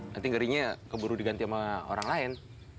nanti ngerinya keburu diganti sama orang lain